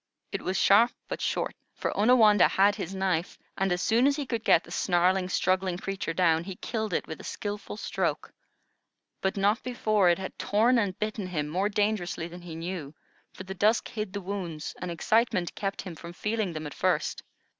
It was sharp but short; for Onawandah had his knife, and as soon as he could get the snarling, struggling creature down, he killed it with a skilful stroke. But not before it had torn and bitten him more dangerously than he knew; for the dusk hid the wounds, and excitement kept him from feeling them at first.